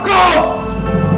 aku sudah hancur angelie